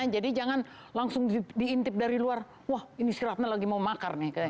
jadi jangan langsung diintip dari luar wah ini sri ratna lagi mau makar nih kayaknya